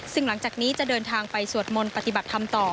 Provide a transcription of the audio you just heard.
ซึ่งหลังจากนี้จะเดินทางไปสวดมนต์ปฏิบัติธรรมต่อ